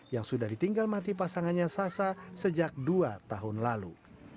yang sudah ditinggal mati pasangannya sasa sejak dua tahun lalu